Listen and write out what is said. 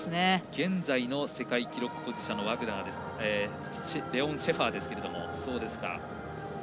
現在の世界記録保持者のレオン・シェファーですが。